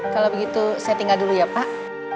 kalau begitu saya tinggal dulu ya pak